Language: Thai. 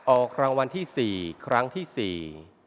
ออกรางวัลที่๔ครั้งที่๕